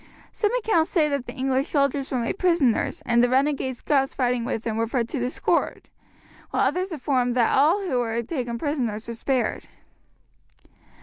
Some accounts say that the English soldiers were made prisoners, and the renegade Scots fighting with them were put to the sword; while others affirm that all who were taken prisoners were spared.